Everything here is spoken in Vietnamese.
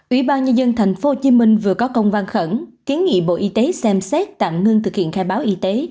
ủy ban nhà dân thành phố hồ chí minh vừa có công văn khẩn kiến nghị bộ y tế xem xét tạm ngưng thực hiện khai báo y tế